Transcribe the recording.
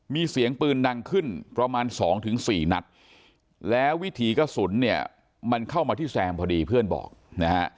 มีเสียงปืนดังขึ้นประมาณ๒๔นัดแล้ววิถีกระสุนเนี่ยมันเข้ามาที่แซมพอดีเพื่อนบอกนะฮะ